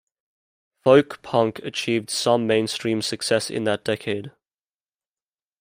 Folk punk achieved some mainstream success in that decade.